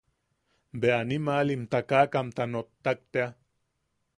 Bea animal takakamta nottak tea.